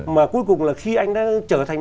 mà cuối cùng là khi anh đã trở thành